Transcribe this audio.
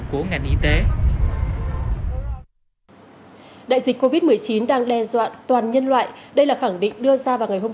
của ngành y tế đại dịch covid một mươi chín đang đe dọa toàn nhân loại đây là khẳng định đưa ra vào ngày hôm